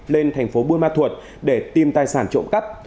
lên tp bunma thuật để tìm tài sản trộm cắp